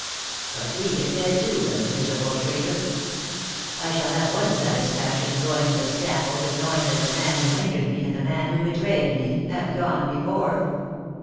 But he is dead, too, the miserable traitor! I shall have one satisfaction in going to the scaffold in knowing that the man who injured me and the man who betrayed me have gone before.